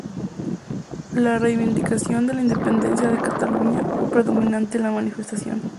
La reivindicación de la independencia de Cataluña fue predominante en la manifestación.